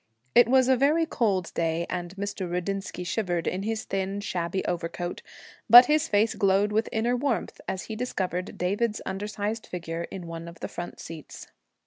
It was a very cold day, and Mr. Rudinsky shivered in his thin, shabby overcoat; but his face glowed with inner warmth as he discovered David's undersized figure in one of the front seats.